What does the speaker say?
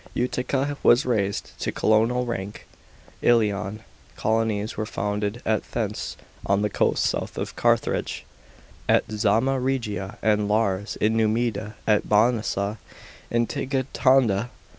Utica was raised to colonial rank. " ^Elian " colonies were founded at Thense (on the coast, south of Carthage), at Zama Regia and Lares in Numidia, at Banasa in Tingitana.